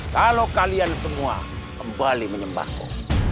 kalau kalian semua kembali menyembahku